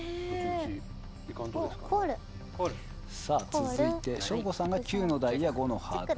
続いて省吾さんが９のダイヤ５のハート。